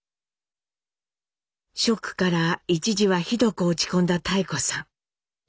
ショックから一時はひどく落ち込んだ妙子さん。